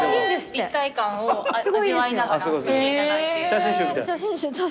立体感を味わいながら見ていただいて。